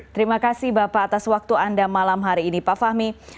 terima kasih bapak atas waktu anda malam hari ini pak fahmi